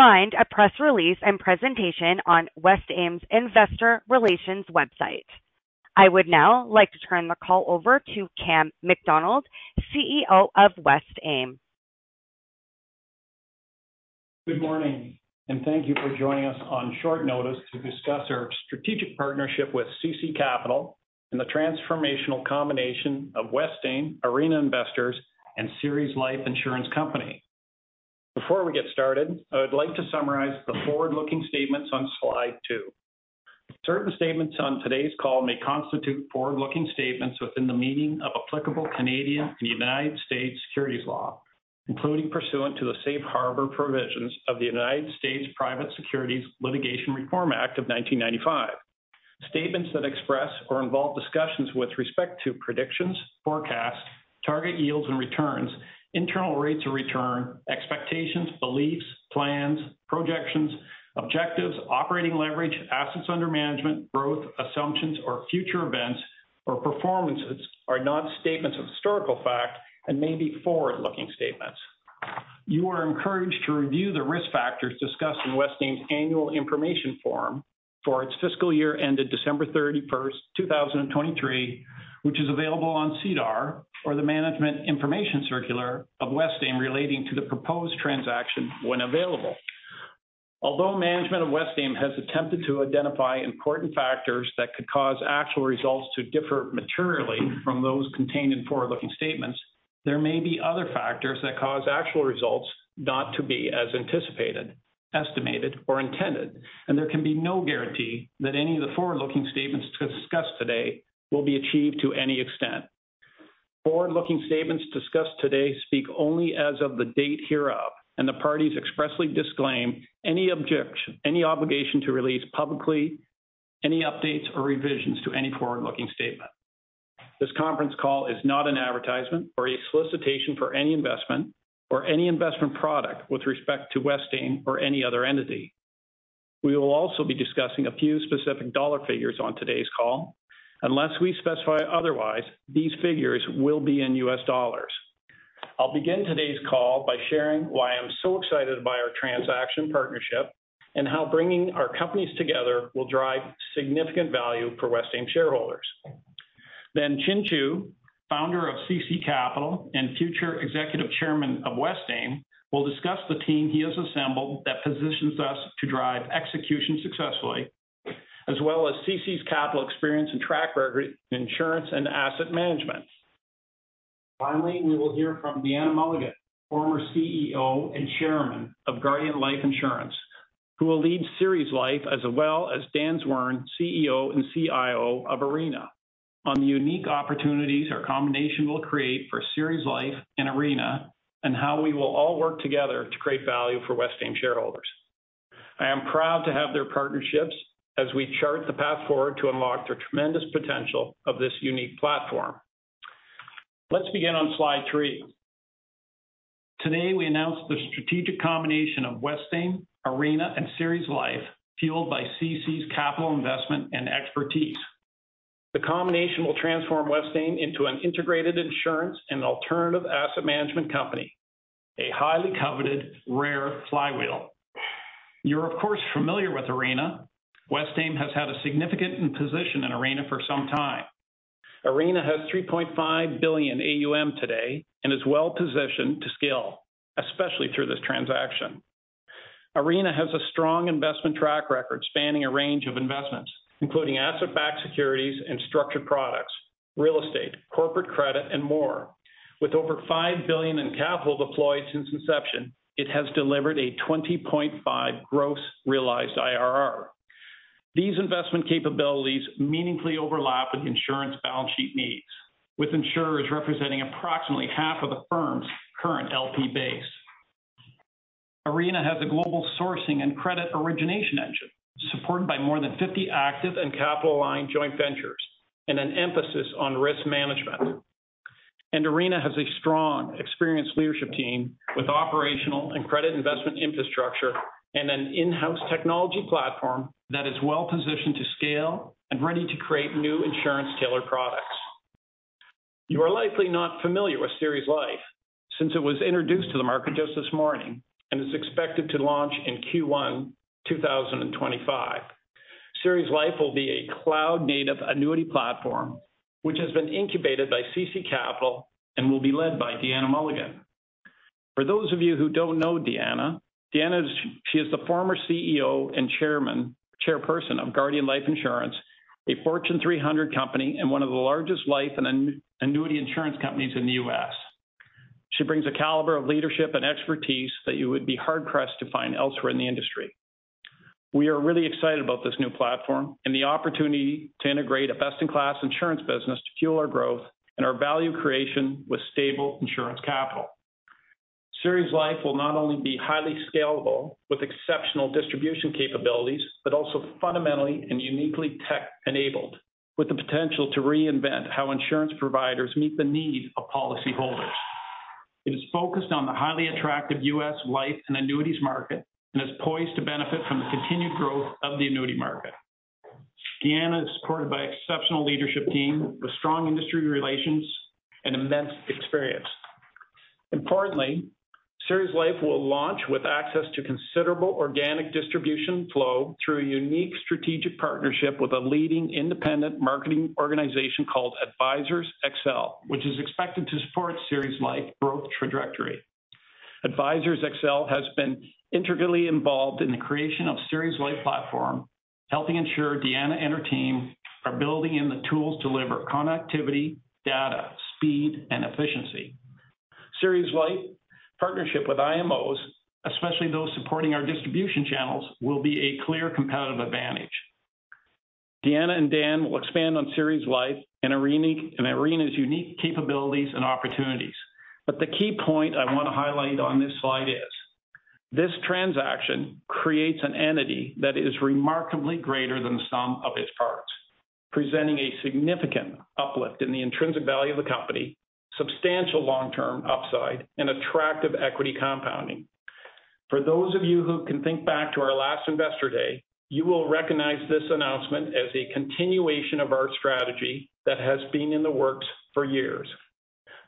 You can find a press release and presentation on Westaim's investor relations website. I would now like to turn the call over to Cam MacDonald, CEO of Westaim. Good morning, and thank you for joining us on short notice to discuss our strategic partnership with CC Capital and the transformational combination of Westaim, Arena Investors, and Ceres Life Insurance Company. Before we get started, I would like to summarize the forward-looking statements on slide two. Certain statements on today's call may constitute forward-looking statements within the meaning of applicable Canadian and United States securities law, including pursuant to the safe harbor provisions of the United States Private Securities Litigation Reform Act of 1995. Statements that express or involve discussions with respect to predictions, forecasts, target yields and returns, internal rates of return, expectations, beliefs, plans, projections, objectives, operating leverage, assets under management, growth, assumptions, or future events or performances are not statements of historical fact and may be forward-looking statements. You are encouraged to review the risk factors discussed in Westaim's Annual Information Form for its fiscal year ended December thirty-first, two thousand and twenty-three, which is available on SEDAR, or the Management Information Circular of Westaim relating to the proposed transaction when available. Although management of Westaim has attempted to identify important factors that could cause actual results to differ materially from those contained in forward-looking statements, there may be other factors that cause actual results not to be as anticipated, estimated, or intended, and there can be no guarantee that any of the forward-looking statements discussed today will be achieved to any extent. Forward-looking statements discussed today speak only as of the date hereof, and the parties expressly disclaim any obligation to release publicly any updates or revisions to any forward-looking statement. This conference call is not an advertisement or a solicitation for any investment or any investment product with respect to Westaim or any other entity. We will also be discussing a few specific dollar figures on today's call. Unless we specify otherwise, these figures will be in US dollars. I'll begin today's call by sharing why I'm so excited by our transaction partnership and how bringing our companies together will drive significant value for Westaim shareholders. Then Chinh Chu, founder of CC Capital and future executive chairman of Westaim, will discuss the team he has assembled that positions us to drive execution successfully, as well as CC's capital experience and track record in insurance and asset management. Finally, we will hear from Deanna Mulligan, former CEO and Chairman of Guardian Life Insurance, who will lead Ceres Life, as well as Dan Zwirn, CEO and CIO of Arena, on the unique opportunities our combination will create for Ceres Life and Arena and how we will all work together to create value for Westaim shareholders. I am proud to have their partnerships as we chart the path forward to unlock the tremendous potential of this unique platform. Let's begin on slide three. Today, we announced the strategic combination of Westaim, Arena, and Ceres Life, fueled by CC's capital investment and expertise. The combination will transform Westaim into an integrated insurance and alternative asset management company, a highly coveted rare flywheel. You're, of course, familiar with Arena. Westaim has had a significant position in Arena for some time. Arena has 3.5 billion AUM today and is well positioned to scale, especially through this transaction. Arena has a strong investment track record spanning a range of investments, including asset-backed securities and structured products, real estate, corporate credit, and more. With over 5 billion in capital deployed since inception, it has delivered a 20.5 gross realized IRR. These investment capabilities meaningfully overlap with insurance balance sheet needs, with insurers representing approximately half of the firm's current LP base. Arena has a global sourcing and credit origination engine, supported by more than 50 active and capital-aligned joint ventures and an emphasis on risk management, and Arena has a strong, experienced leadership team with operational and credit investment infrastructure and an in-house technology platform that is well positioned to scale and ready to create new insurance tailored products. You are likely not familiar with Ceres Life since it was introduced to the market just this morning and is expected to launch in Q1 two thousand and twenty-five. Ceres Life will be a cloud-native annuity platform, which has been incubated by CC Capital and will be led by Deanna Mulligan. For those of you who don't know Deanna, Deanna is the former CEO and chairman, chairperson of Guardian Life Insurance, a Fortune 300 company and one of the largest life and annuity insurance companies in the U.S. She brings a caliber of leadership and expertise that you would be hard-pressed to find elsewhere in the industry. We are really excited about this new platform and the opportunity to integrate a best-in-class insurance business to fuel our growth and our value creation with stable insurance capital. Ceres Life will not only be highly scalable with exceptional distribution capabilities, but also fundamentally and uniquely tech-enabled, with the potential to reinvent how insurance providers meet the needs of policyholders. It is focused on the highly attractive U.S. life and annuities market and is poised to benefit from the continued growth of the annuity market. Deanna is supported by exceptional leadership team with strong industry relations and immense experience. Importantly, Ceres Life will launch with access to considerable organic distribution flow through a unique strategic partnership with a leading independent marketing organization called Advisors Excel, which is expected to support Ceres Life growth trajectory. Advisors Excel has been integrally involved in the creation of Ceres Life platform, helping ensure Deanna and her team are building in the tools to deliver connectivity, data, speed, and efficiency. Ceres Life partnership with IMOs, especially those supporting our distribution channels, will be a clear competitive advantage. Deanna and Dan will expand on Ceres Life and Arena, and Arena's unique capabilities and opportunities. But the key point I want to highlight on this slide is, this transaction creates an entity that is remarkably greater than the sum of its parts, presenting a significant uplift in the intrinsic value of the company, substantial long-term upside, and attractive equity compounding. For those of you who can think back to our last Investor Day, you will recognize this announcement as a continuation of our strategy that has been in the works for years.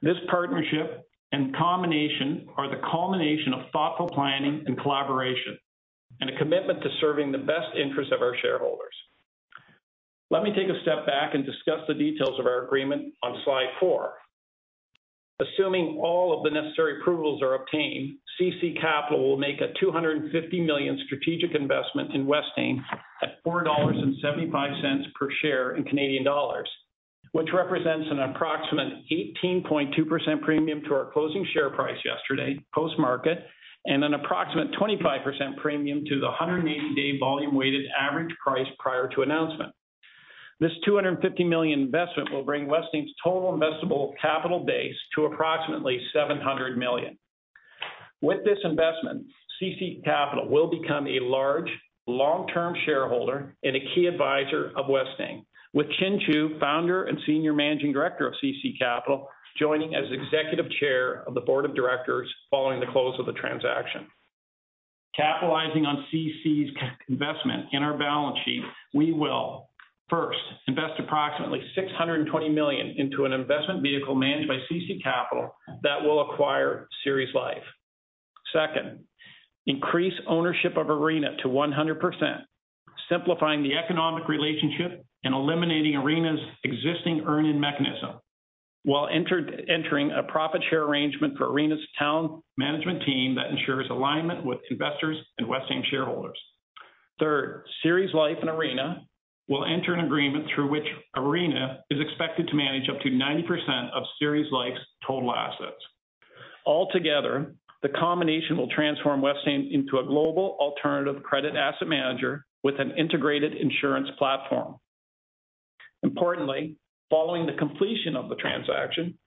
This partnership and combination are the culmination of thoughtful planning and collaboration, and a commitment to serving the best interest of our shareholders. Let me take a step back and discuss the details of our agreement on slide four. Assuming all of the necessary approvals are obtained, CC Capital will make a 250 million strategic investment in Westaim at 4.75 dollars per share, which represents an approximate 18.2% premium to our closing share price yesterday, post-market, and an approximate 25% premium to the 180-day volume weighted average price prior to announcement. This 250 million investment will bring Westaim's total investable capital base to approximately 700 million. With this investment, CC Capital will become a large, long-term shareholder and a key advisor of Westaim, with Chinh Chu, founder and senior managing director of CC Capital, joining as executive chair of the board of directors following the close of the transaction. Capitalizing on CC's investment in our balance sheet, we will, first, invest approximately $620 million into an investment vehicle managed by CC Capital that will acquire Ceres Life. Second, increase ownership of Arena to 100%, simplifying the economic relationship and eliminating Arena's existing earn-in mechanism, while entering a profit share arrangement for Arena's talent management team that ensures alignment with investors and Westaim shareholders. Third, Ceres Life and Arena will enter an agreement through which Arena is expected to manage up to 90% of Ceres Life's total assets. Altogether, the combination will transform Westaim into a global alternative credit asset manager with an integrated insurance platform. Importantly, following the completion of the transaction,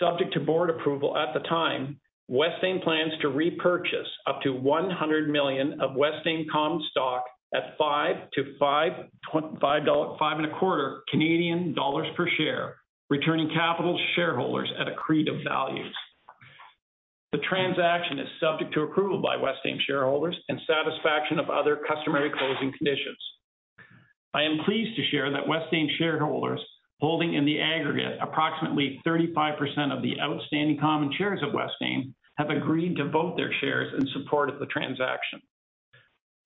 subject to board approval at the time, Westaim plans to repurchase up to 100 million of Westaim common stock at 5-5.25 dollar per share, returning capital to shareholders at accretive values. The transaction is subject to approval by Westaim shareholders and satisfaction of other customary closing conditions. I am pleased to share that Westaim shareholders, holding in the aggregate approximately 35% of the outstanding common shares of Westaim, have agreed to vote their shares in support of the transaction.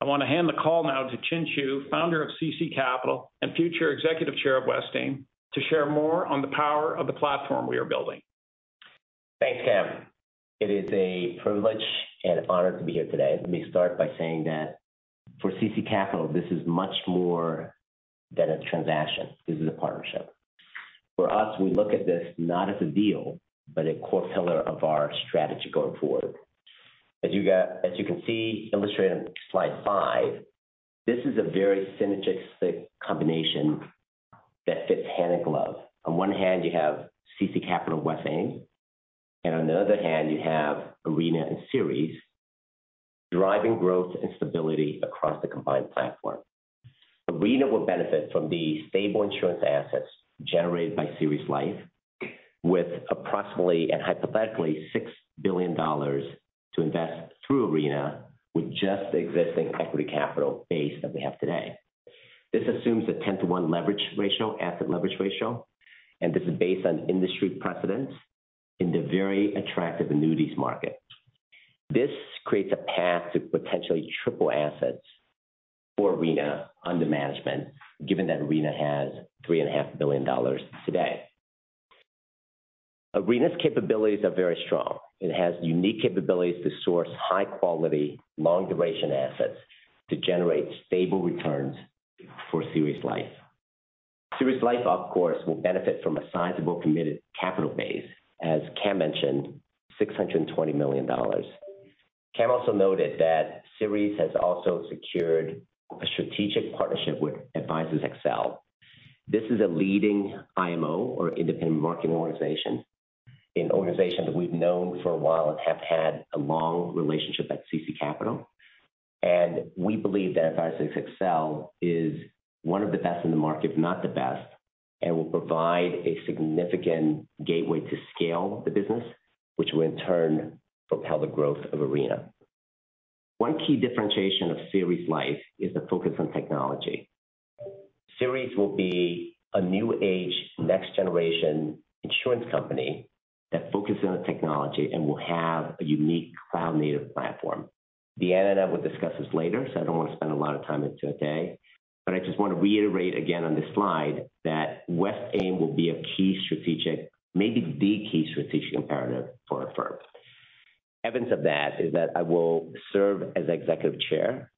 I want to hand the call now to Chinh Chu, founder of CC Capital and future executive chair of Westaim, to share more on the power of the platform we are building. Thanks, Cam. It is a privilege and honor to be here today. Let me start by saying that for CC Capital, this is much more than a transaction. This is a partnership. For us, we look at this not as a deal, but a core pillar of our strategy going forward. As you can see illustrated on slide 5, this is a very synergistic combination that fits hand in glove. On one hand, you have CC Capital Westaim, and on the other hand, you have Arena and Ceres, driving growth and stability across the combined platform. Arena will benefit from the stable insurance assets generated by Ceres Life, with approximately and hypothetically, $6 billion to invest through Arena with just the existing equity capital base that we have today. This assumes a ten-to-one leverage ratio, asset leverage ratio, and this is based on industry precedents in the very attractive annuities market. This creates a path to potentially triple assets for Arena under management, given that Arena has $3.5 billion today. Arena's capabilities are very strong. It has unique capabilities to source high quality, long duration assets to generate stable returns for Ceres Life. Ceres Life, of course, will benefit from a sizable committed capital base, as Cam mentioned, $620 million. Cam also noted that Ceres has also secured a strategic partnership with Advisors Excel. This is a leading IMO or independent marketing organization, an organization that we've known for a while and have had a long relationship at CC Capital. We believe that Advisors Excel is one of the best in the market, if not the best, and will provide a significant gateway to scale the business, which will in turn propel the growth of Arena.... One key differentiation of Ceres Life is the focus on technology. Ceres Life will be a new age, next generation insurance company that focuses on the technology and will have a unique cloud-native platform. Deanna and I will discuss this later, so I don't want to spend a lot of time into it today, but I just want to reiterate again on this slide that Westaim will be a key strategic, maybe the key strategic imperative for our firm. Evidence of that is that I will serve as Executive Chair,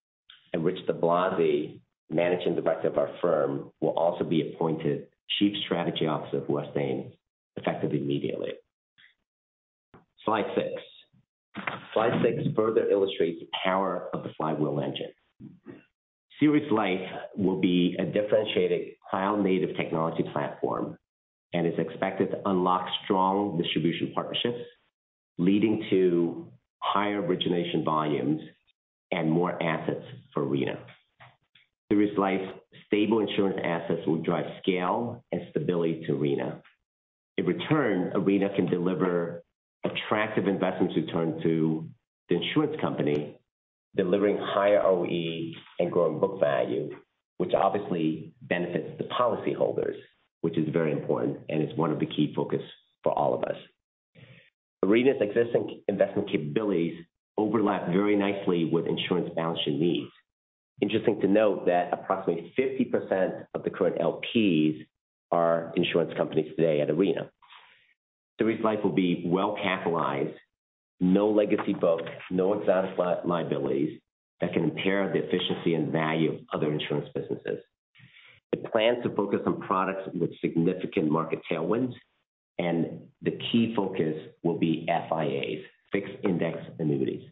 and Rich DeBlasi, Managing Director of our firm, will also be appointed Chief Strategy Officer of Westaim, effective immediately. Slide six. Slide six further illustrates the power of the flywheel engine. Ceres Life will be a differentiated cloud-native technology platform and is expected to unlock strong distribution partnerships, leading to higher origination volumes and more assets for Arena. Ceres Life's stable insurance assets will drive scale and stability to Arena. In return, Arena can deliver attractive investment return to the insurance company, delivering higher ROE and growing book value, which obviously benefits the policyholders, which is very important, and it's one of the key focus for all of us. Arena's existing investment capabilities overlap very nicely with insurance balancing needs. Interesting to note that approximately 50% of the current LPs are insurance companies today at Arena. Ceres Life will be well capitalized, no legacy book, no outstanding liabilities that can impair the efficiency and value of other insurance businesses. The plan to focus on products with significant market tailwinds, and the key focus will be FIAs, Fixed Index Annuities.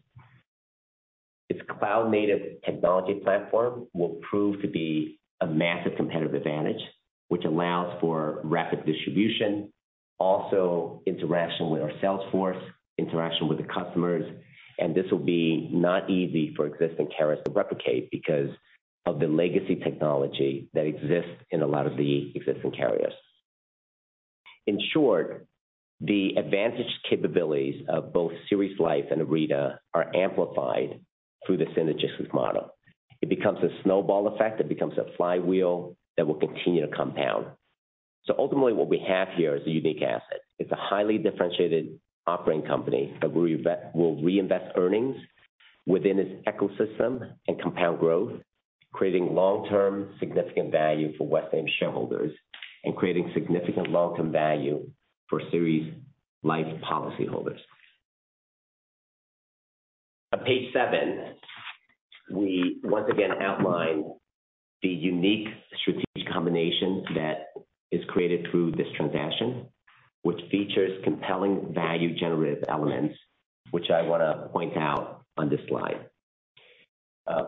Its cloud-native technology platform will prove to be a massive competitive advantage, which allows for rapid distribution, also interaction with our sales force, interaction with the customers, and this will be not easy for existing carriers to replicate because of the legacy technology that exists in a lot of the existing carriers. In short, the advantage capabilities of both Ceres Life and Arena are amplified through the synergistic model. It becomes a snowball effect. It becomes a flywheel that will continue to compound. So ultimately, what we have here is a unique asset. It's a highly differentiated operating company that we will reinvest earnings within its ecosystem and compound growth, creating long-term, significant value for Westaim shareholders and creating significant long-term value for Ceres Life policyholders. On page seven, we once again outline the unique strategic combination that is created through this transaction, which features compelling value generative elements, which I want to point out on this slide.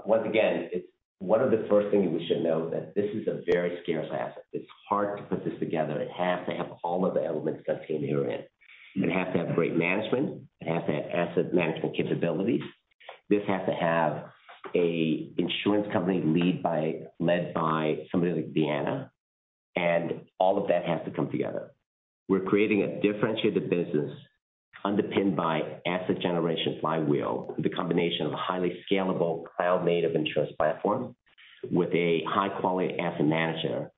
Once again, it's one of the first things we should know that this is a very scarce asset. It's hard to put this together. It has to have all of the elements that's in here. It has to have great management, it has to have asset management capabilities. This has to have an insurance company led by somebody like Deanna, and all of that has to come together. We're creating a differentiated business underpinned by asset generation flywheel, the combination of a highly scalable cloud-native insurance platform with a high-quality asset manager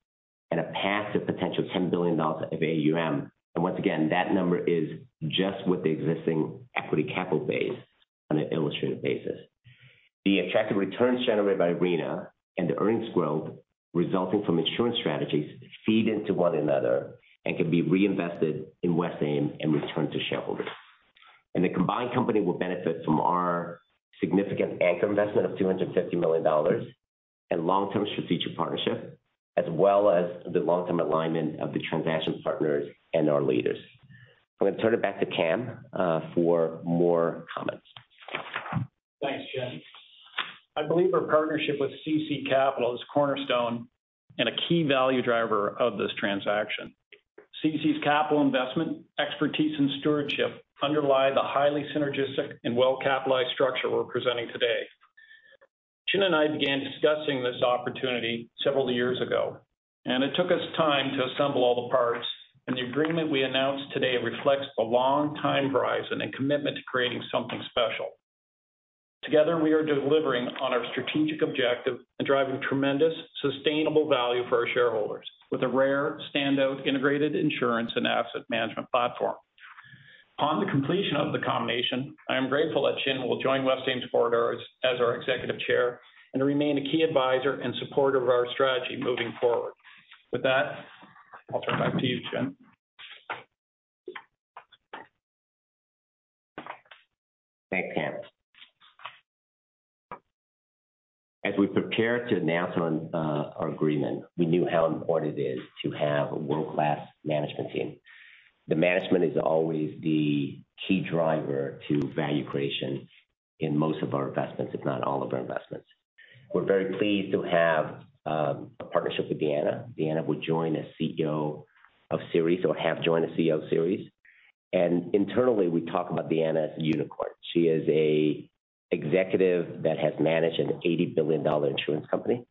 and a path to potential $10 billion of AUM. Once again, that number is just with the existing equity capital base on an illustrative basis. The attractive returns generated by Arena and the earnings growth resulting from insurance strategies feed into one another and can be reinvested in Westaim and returned to shareholders. The combined company will benefit from our significant anchor investment of $250 million and long-term strategic partnership, as well as the long-term alignment of the transaction partners and our leaders. I'm going to turn it back to Cam for more comments. Thanks, Chinh. I believe our partnership with CC Capital is cornerstone and a key value driver of this transaction. CC's capital investment, expertise, and stewardship underlie the highly synergistic and well-capitalized structure we're presenting today. Chinh and I began discussing this opportunity several years ago, and it took us time to assemble all the parts, and the agreement we announced today reflects the long time horizon and commitment to creating something special. Together, we are delivering on our strategic objective and driving tremendous sustainable value for our shareholders, with a rare standout integrated insurance and asset management platform. Upon the completion of the combination, I am grateful that Chinh will join Westaim's board as our executive chair and remain a key advisor in support of our strategy moving forward. With that, I'll turn back to you, Chinh. Thanks, Cam. As we prepare to announce on our agreement, we knew how important it is to have a world-class management team. The management is always the key driver to value creation in most of our investments, if not all of our investments. We're very pleased to have a partnership with Deanna. Deanna will join as CEO of Ceres or have joined as CEO of Ceres, and internally, we talk about Deanna as a unicorn. She is a executive that has managed an $80 billion insurance company.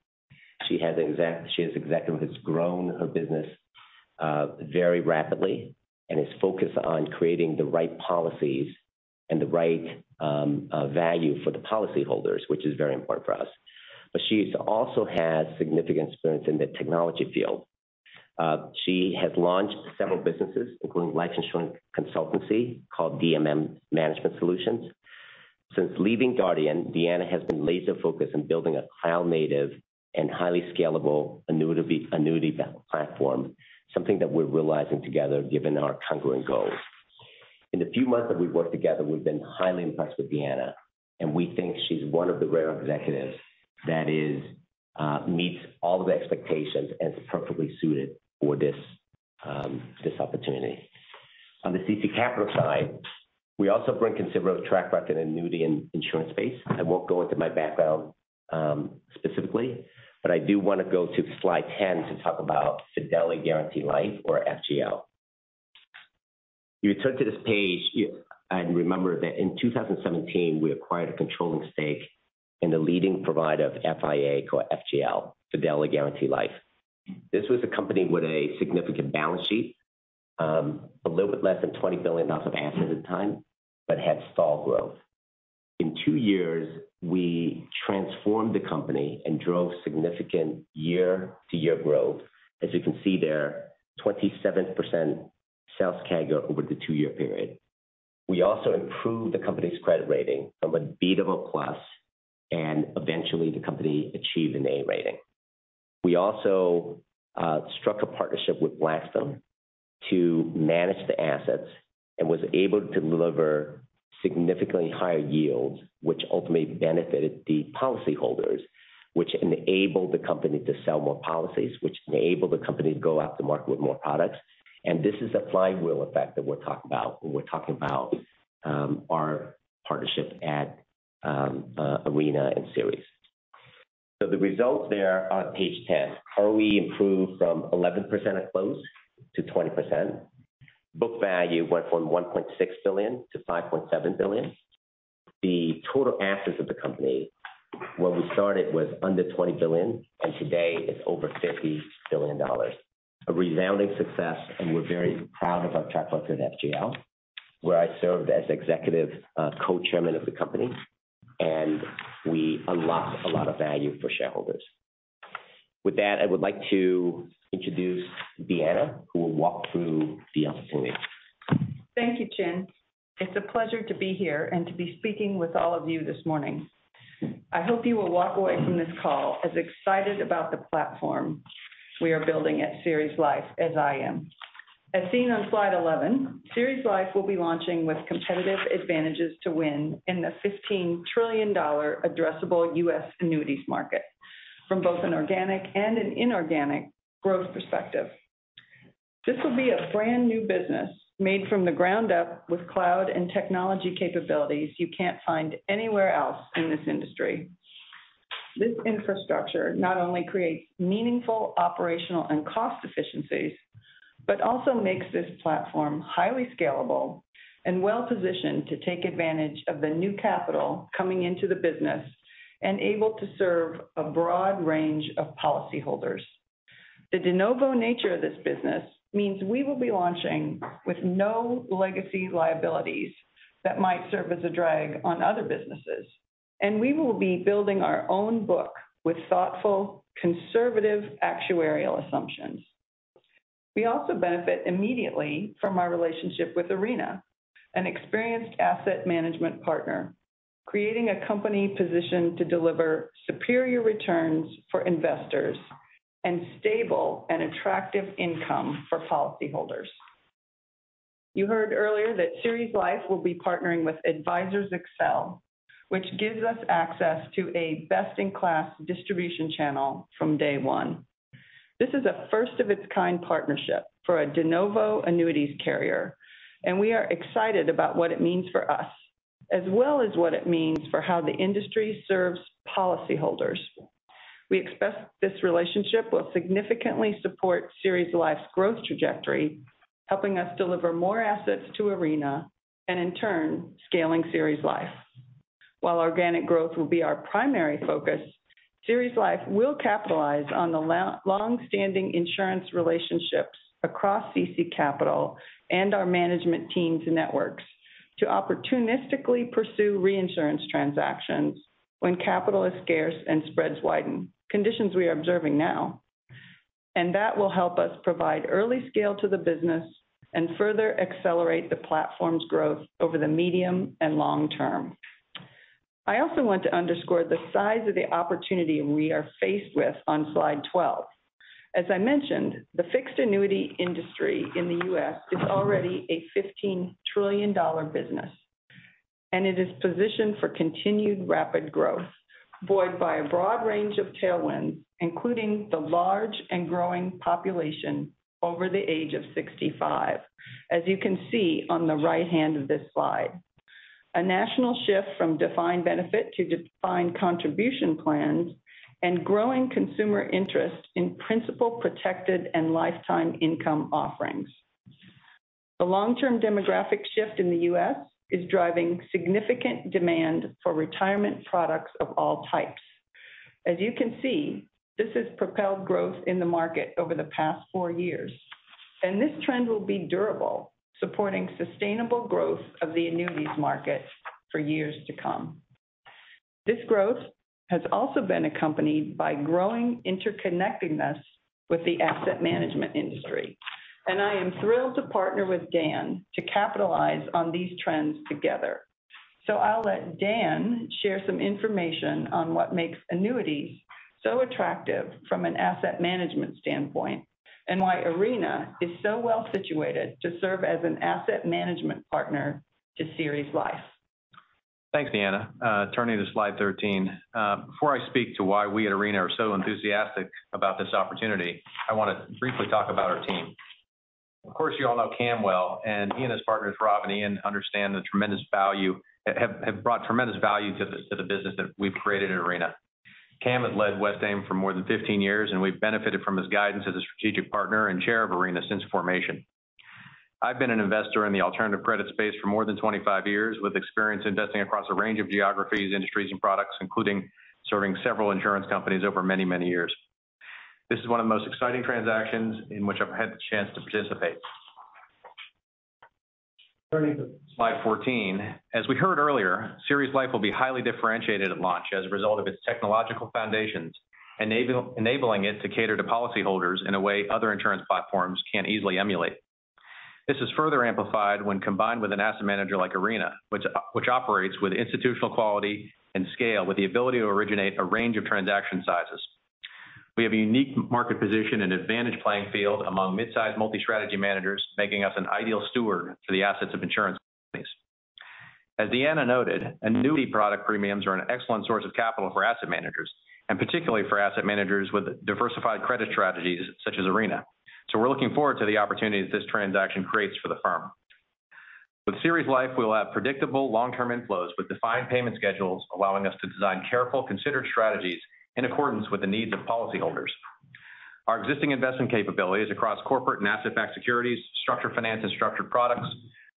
She is executive who has grown her business very rapidly and is focused on creating the right policies and the right value for the policyholders, which is very important for us. But she's also has significant experience in the technology field. She has launched several businesses, including life insurance consultancy called DMM Management Solutions. Since leaving Guardian, Deanna has been laser focused on building a cloud native and highly scalable annuity platform, something that we're realizing together given our congruent goals. In the few months that we've worked together, we've been highly impressed with Deanna, and we think she's one of the rare executives that meets all the expectations and is perfectly suited for this opportunity. On the CC Capital side, we also bring considerable track record in annuity and insurance space. I won't go into my background, specifically, but I do want to go to slide 10 to talk about Fidelity & Guaranty Life, or F&G. You turn to this page, and remember that in 2017, we acquired a controlling stake in the leading provider of FIA called F&G, Fidelity & Guaranty Life. This was a company with a significant balance sheet, a little bit less than $20 billion of assets at the time, but had stalled growth. In two years, we transformed the company and drove significant year-to-year growth. As you can see there, 27% sales CAGR over the two-year period. We also improved the company's credit rating from a B double plus, and eventually the company achieved an A rating. We also struck a partnership with Blackstone to manage the assets and was able to deliver significantly higher yields, which ultimately benefited the policyholders, which enabled the company to sell more policies, which enabled the company to go out to market with more products. This is a flywheel effect that we're talking about when we're talking about our partnership at Arena and Ceres. So the results there are on page 10. ROE improved from 11% to close to 20%. Book value went from $1.6 billion to $5.7 billion. The total assets of the company where we started was under $20 billion, and today it's over $50 billion. A resounding success, and we're very proud of our track record at FGL, where I served as executive co-chairman of the company, and we unlocked a lot of value for shareholders. With that, I would like to introduce Deanna, who will walk through the opportunity. Thank you, Chinh. It's a pleasure to be here and to be speaking with all of you this morning. I hope you will walk away from this call as excited about the platform we are building at Ceres Life as I am. As seen on slide 11, Ceres Life will be launching with competitive advantages to win in the $15 trillion addressable U.S. annuities market, from both an organic and an inorganic growth perspective. This will be a brand-new business made from the ground up with cloud and technology capabilities you can't find anywhere else in this industry. This infrastructure not only creates meaningful operational and cost efficiencies, but also makes this platform highly scalable and well-positioned to take advantage of the new capital coming into the business and able to serve a broad range of policyholders. The de novo nature of this business means we will be launching with no legacy liabilities that might serve as a drag on other businesses, and we will be building our own book with thoughtful, conservative, actuarial assumptions. We also benefit immediately from our relationship with Arena, an experienced asset management partner, creating a company positioned to deliver superior returns for investors and stable and attractive income for policyholders. You heard earlier that Ceres Life will be partnering with Advisors Excel, which gives us access to a best-in-class distribution channel from day one. This is a first of its kind partnership for a de novo annuities carrier, and we are excited about what it means for us, as well as what it means for how the industry serves policyholders. We expect this relationship will significantly support Ceres Life's growth trajectory, helping us deliver more assets to Arena and in turn, scaling Ceres Life. While organic growth will be our primary focus, Ceres Life will capitalize on the long-standing insurance relationships across CC Capital and our management teams and networks to opportunistically pursue reinsurance transactions when capital is scarce and spreads widen, conditions we are observing now, and that will help us provide early scale to the business and further accelerate the platform's growth over the medium and long term. I also want to underscore the size of the opportunity we are faced with on slide twelve. As I mentioned, the fixed annuity industry in the US is already a $15 trillion business, and it is positioned for continued rapid growth, buoyed by a broad range of tailwinds, including the large and growing population over the age of 65, as you can see on the right-hand side of this slide. A national shift from defined benefit to defined contribution plans and growing consumer interest in principal protected and lifetime income offerings.... The long-term demographic shift in the U.S. is driving significant demand for retirement products of all types. As you can see, this has propelled growth in the market over the past four years, and this trend will be durable, supporting sustainable growth of the annuities market for years to come. This growth has also been accompanied by growing interconnectedness with the asset management industry, and I am thrilled to partner with Dan to capitalize on these trends together. So I'll let Dan share some information on what makes annuities so attractive from an asset management standpoint, and why Arena is so well situated to serve as an asset management partner to Ceres Life. Thanks, Deanna. Turning to slide 13, before I speak to why we at Arena are so enthusiastic about this opportunity, I want to briefly talk about our team. Of course, you all know Cam well, and he and his partners, Rob and Ian, understand the tremendous value, have brought tremendous value to the business that we've created at Arena. Cam had led Westaim for more than 15 years, and we've benefited from his guidance as a strategic partner and chair of Arena since formation. I've been an investor in the alternative credit space for more than 25 years, with experience investing across a range of geographies, industries, and products, including serving several insurance companies over many, many years. This is one of the most exciting transactions in which I've had the chance to participate. Turning to slide 14, as we heard earlier, Ceres Life will be highly differentiated at launch as a result of its technological foundations, enabling it to cater to policyholders in a way other insurance platforms can't easily emulate. This is further amplified when combined with an asset manager like Arena, which operates with institutional quality and scale, with the ability to originate a range of transaction sizes. We have a unique market position and advantage playing field among mid-sized multi-strategy managers, making us an ideal steward for the assets of insurance companies. As Deanna noted, annuity product premiums are an excellent source of capital for asset managers, and particularly for asset managers with diversified credit strategies such as Arena. So we're looking forward to the opportunities this transaction creates for the firm. With Ceres Life, we will have predictable long-term inflows with defined payment schedules, allowing us to design careful, considered strategies in accordance with the needs of policyholders. Our existing investment capabilities across corporate and asset-backed securities, structured finance and structured products,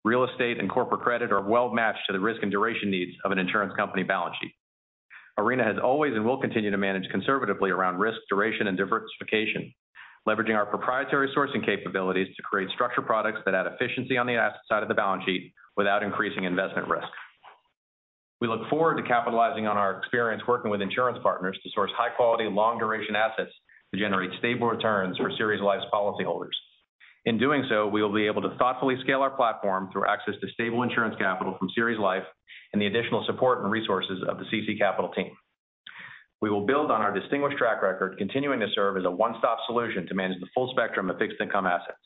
real estate, and corporate credit, are well matched to the risk and duration needs of an insurance company balance sheet. Arena has always and will continue to manage conservatively around risk, duration, and diversification, leveraging our proprietary sourcing capabilities to create structured products that add efficiency on the asset side of the balance sheet without increasing investment risk. We look forward to capitalizing on our experience working with insurance partners to source high quality, long duration assets to generate stable returns for Ceres Life's policyholders. In doing so, we will be able to thoughtfully scale our platform through access to stable insurance capital from Ceres Life and the additional support and resources of the CC Capital team. We will build on our distinguished track record, continuing to serve as a one-stop solution to manage the full spectrum of fixed income assets.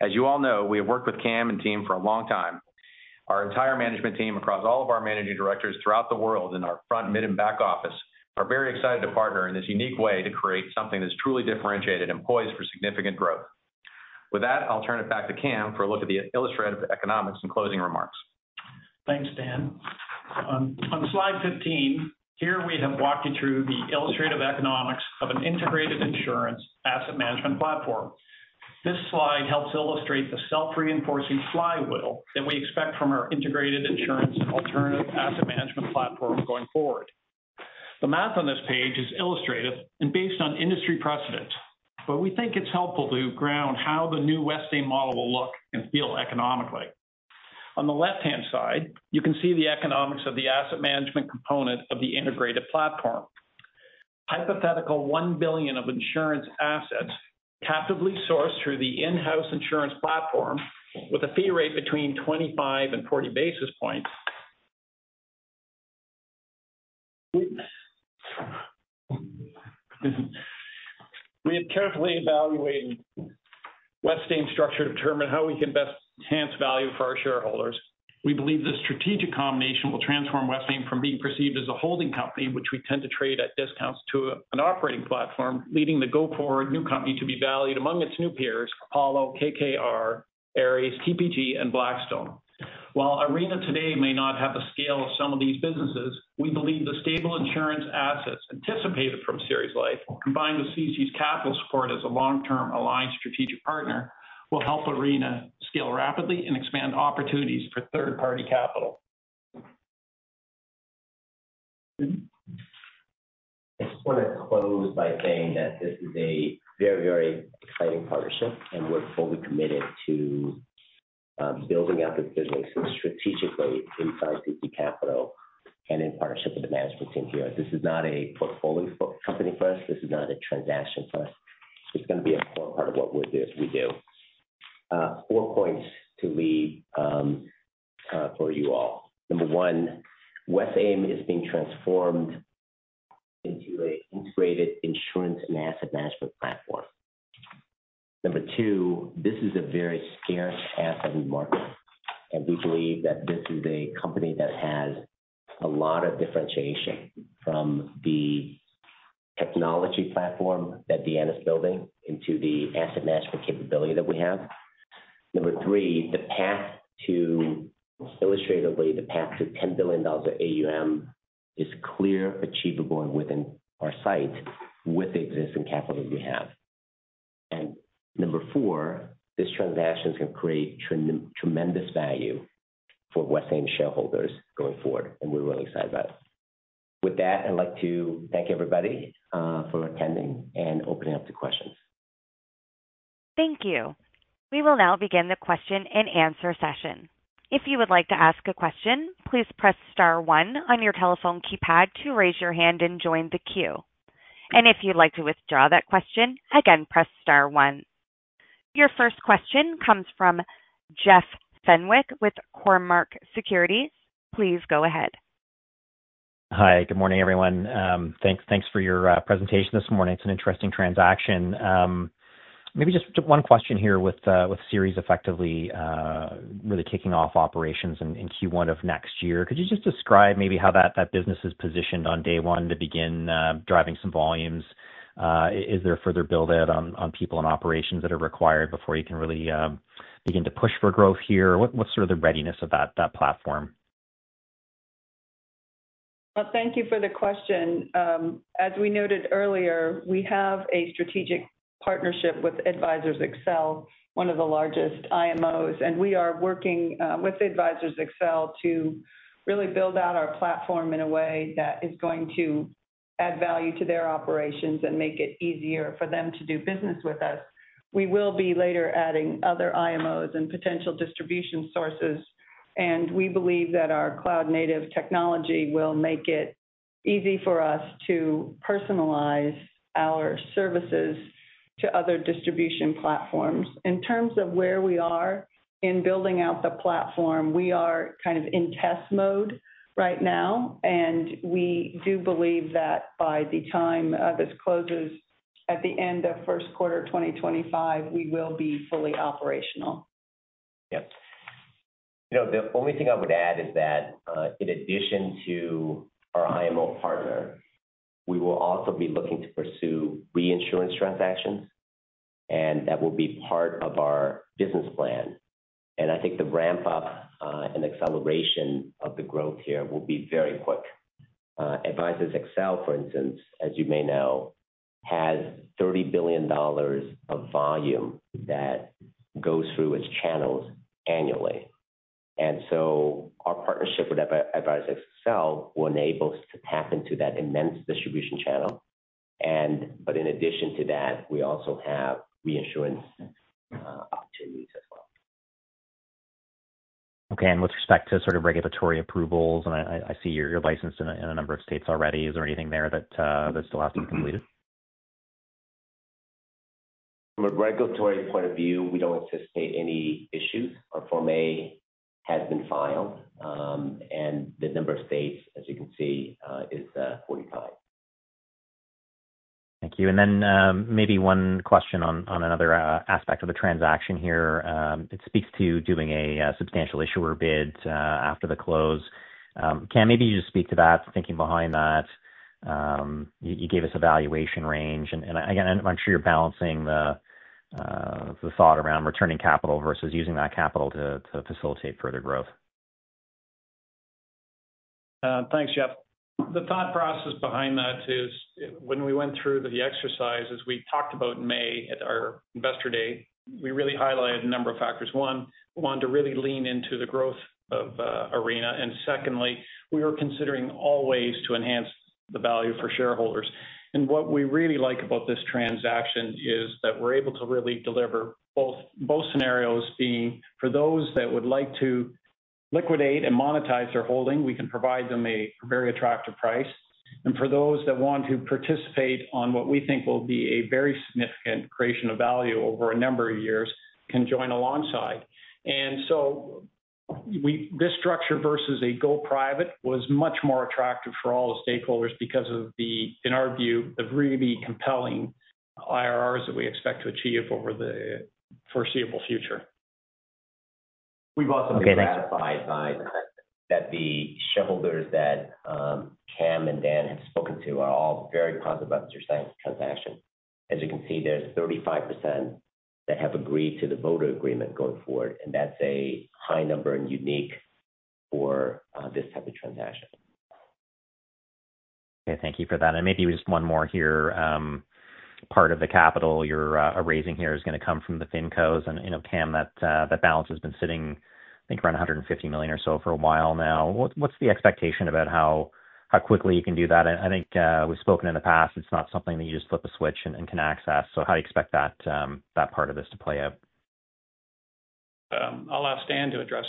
As you all know, we have worked with Cam and team for a long time. Our entire management team, across all of our managing directors throughout the world, in our front, mid, and back office, are very excited to partner in this unique way to create something that's truly differentiated and poised for significant growth. With that, I'll turn it back to Cam for a look at the illustrative economics and closing remarks. Thanks, Dan. On slide 15, here we have walked you through the illustrative economics of an integrated insurance asset management platform. This slide helps illustrate the self-reinforcing flywheel that we expect from our integrated insurance alternative asset management platform going forward. The math on this page is illustrative and based on industry precedents, but we think it's helpful to ground how the new Westaim model will look and feel economically. On the left-hand side, you can see the economics of the asset management component of the integrated platform. Hypothetical $1 billion of insurance assets captively sourced through the in-house insurance platform with a fee rate between 25 and 40 basis points. We have carefully evaluated Westaim's structure to determine how we can best enhance value for our shareholders. We believe this strategic combination will transform Westaim from being perceived as a holding company, which we tend to trade at discounts, to an operating platform, leading the go-forward new company to be valued among its new peers, Apollo, KKR, Ares, TPG, and Blackstone. While Arena today may not have the scale of some of these businesses, we believe the stable insurance assets anticipated from Ceres Life, combined with CC's capital support as a long-term aligned strategic partner, will help Arena scale rapidly and expand opportunities for third-party capital. I just want to close by saying that this is a very, very exciting partnership, and we're fully committed to building out this business strategically inside CC Capital and in partnership with the management team here. This is not a portfolio company for us. This is not a transaction for us. It's going to be a core part of what we do. Four points to leave for you all. Number one, Westaim is being transformed into an integrated insurance and asset management platform. Number two, this is a very scarce asset market, and we believe that this is a company that has a lot of differentiation from the technology platform that Deanna is building into the asset management capability that we have. Number three, the path to... illustratively, the path to $10 billion of AUM is clear, achievable, and within our sight with the existing capital we have. And number four, this transaction is going to create tremendous value for Westaim shareholders going forward, and we're really excited about it. With that, I'd like to thank everybody for attending and opening up to questions. Thank you. We will now begin the question-and-answer session. If you would like to ask a question, please press star one on your telephone keypad to raise your hand and join the queue. And if you'd like to withdraw that question, again, press star one. Your first question comes from Jeff Fenwick with Cormark Securities. Please go ahead. Hi, good morning, everyone. Thanks for your presentation this morning. It's an interesting transaction. Maybe just one question here with Ceres effectively really kicking off operations in Q1 of next year. Could you just describe maybe how that business is positioned on day one to begin driving some volumes? Is there further build-out on people and operations that are required before you can really begin to push for growth here? What's sort of the readiness of that platform? Thank you for the question. As we noted earlier, we have a strategic partnership with Advisors Excel, one of the largest IMOs, and we are working with Advisors Excel to really build out our platform in a way that is going to add value to their operations and make it easier for them to do business with us. We will be later adding other IMOs and potential distribution sources, and we believe that our cloud-native technology will make it easy for us to personalize our services to other distribution platforms. In terms of where we are in building out the platform, we are kind of in test mode right now, and we do believe that by the time this closes at the end of first quarter, 2025, we will be fully operational. Yep. You know, the only thing I would add is that, in addition to our IMO partner, we will also be looking to pursue reinsurance transactions, and that will be part of our business plan. I think the ramp up, and acceleration of the growth here will be very quick. Advisors Excel, for instance, as you may know, has $30 billion of volume that goes through its channels annually. And so our partnership with Advisors Excel will enable us to tap into that immense distribution channel. But in addition to that, we also have reinsurance opportunities as well. Okay. And with respect to sort of regulatory approvals, and I see you're licensed in a number of states already, is there anything there that still has to be completed? From a regulatory point of view, we don't anticipate any issues. Our Form A has been filed, and the number of states, as you can see, is 45. Thank you. Then, maybe one question on another aspect of the transaction here. It speaks to doing a Substantial Issuer Bid after the close. Cam, maybe you just speak to that, the thinking behind that. You gave us a valuation range, and again, I'm sure you're balancing the thought around returning capital versus using that capital to facilitate further growth. Thanks, Jeff. The thought process behind that is when we went through the exercise, as we talked about in May at our investor day, we really highlighted a number of factors. One, we wanted to really lean into the growth of Arena, and secondly, we were considering all ways to enhance the value for shareholders. And what we really like about this transaction is that we're able to really deliver both scenarios, being for those that would like to liquidate and monetize their holding, we can provide them a very attractive price. And for those that want to participate on what we think will be a very significant creation of value over a number of years, can join alongside. This structure versus a go private was much more attractive for all the stakeholders because of the, in our view, the really compelling IRRs that we expect to achieve over the foreseeable future. We've also been gratified by the fact that the shareholders that Cam and Dan have spoken to are all very positive about this transaction. As you can see, there's 35% that have agreed to the voting agreement going forward, and that's a high number and unique for this type of transaction. Okay, thank you for that. And maybe just one more here. Part of the capital you're raising here is going to come from the FinCos. And, you know, Cam, that balance has been sitting, I think, around $150 million or so for a while now. What's the expectation about how quickly you can do that? I think, we've spoken in the past, it's not something that you just flip a switch and can access. So how do you expect that part of this to play out? I'll ask Dan to address.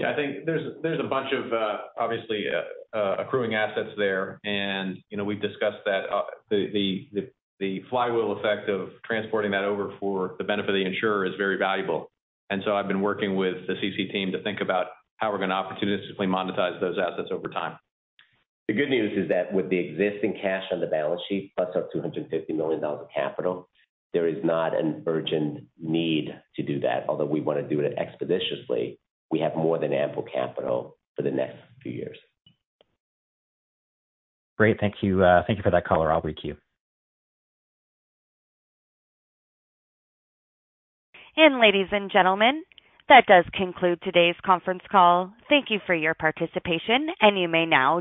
Yeah, I think there's a bunch of obviously accruing assets there, and you know, we've discussed that the flywheel effect of transporting that over for the benefit of the insurer is very valuable. And so I've been working with the CC team to think about how we're going to opportunistically monetize those assets over time. The good news is that with the existing cash on the balance sheet, plus our $250 million of capital, there is not an urgent need to do that. Although we want to do it expeditiously, we have more than ample capital for the next few years. Great, thank you. Thank you for that color. I'll queue. And ladies and gentlemen, that does conclude today's conference call. Thank you for your participation, and you may now disconnect.